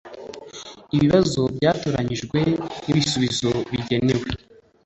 ibibazo byatoranyijwe n ibisubizo bigenewe